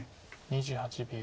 ２８秒。